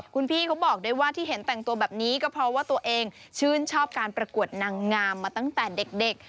คุณพี่เขาบอกด้วยว่าที่เห็นแต่งตัวแบบนี้ก็เพราะว่าตัวเองชื่นชอบการประกวดนางงามมาตั้งแต่เด็ก